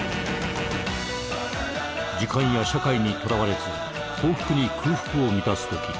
時間や社会にとらわれず幸福に空腹を満たすとき